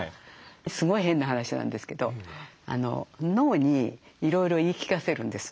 すごい変な話なんですけど脳にいろいろ言い聞かせるんですね